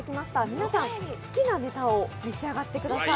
皆さん、好きなネタを召し上がってください。